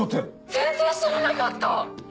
全然知らなかった！